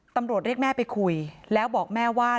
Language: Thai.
ตำรวจเรียกแม่ไปคุยแล้วบอกแม่ว่า